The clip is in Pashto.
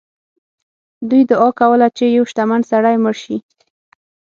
دوی دعا کوله چې یو شتمن سړی مړ شي.